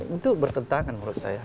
itu bertentangan menurut saya